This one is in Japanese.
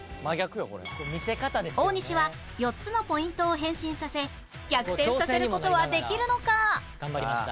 大西は４つのポイントを変身させ逆転させる事はできるのか？